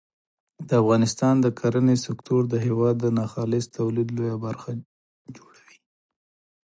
د افغانستان د کرنې سکتور د هېواد د ناخالص تولید لویه برخه جوړوي.